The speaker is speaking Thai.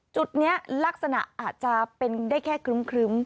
จุดนี้ลักษณะอาจจะเป็นได้แค่ครึ้ม